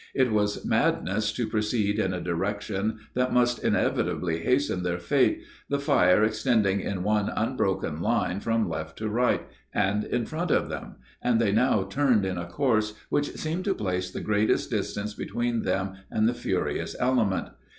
It was madness to proceed in a direction that must inevitably hasten their fate, the fire extending in one unbroken line from left to right, and in front of them, and they now turned in a course which seemed to place the greatest distance between them and the furious element.